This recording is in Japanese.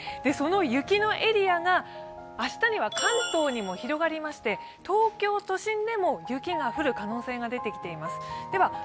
その雪のエリアが明日には関東にも広がりまして、東京都心でも雪が降る可能性が出てきています。